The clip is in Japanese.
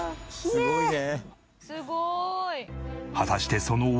すごいね！